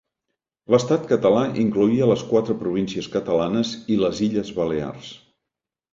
L'Estat català incloïa les quatre províncies catalanes i les Illes Balears.